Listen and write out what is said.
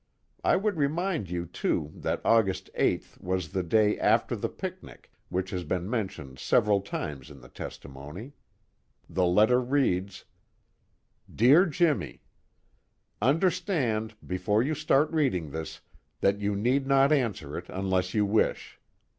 I would remind you too that August 8th was the day after the picnic which has been mentioned several times in the testimony. The letter reads: "Dear Jimmy: "Understand, before you start reading this, that you need not answer it unless you wish.